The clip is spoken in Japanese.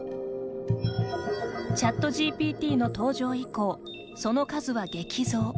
ＣｈａｔＧＰＴの登場以降その数は激増。